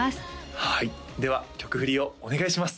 はいでは曲振りをお願いします